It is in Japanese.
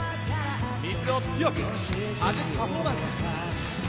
水を強くはじくパフォーマンス。